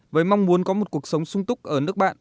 với mong muốn có một cuộc sống sung túc ở nước bạn